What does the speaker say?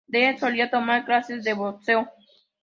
Dee solía tomar clases de boxeo.